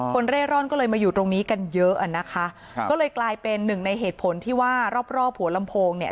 เร่ร่อนก็เลยมาอยู่ตรงนี้กันเยอะอ่ะนะคะก็เลยกลายเป็นหนึ่งในเหตุผลที่ว่ารอบรอบหัวลำโพงเนี่ย